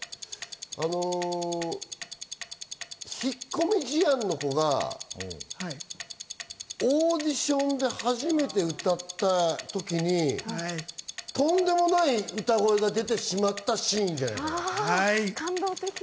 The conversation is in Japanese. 引っ込み思案の子が、オーディションで初めて歌った時にとんでもない歌声が出てしまったシーンじゃないかな。